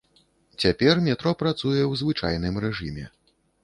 Цяпер метро працуе ў звычайным рэжыме.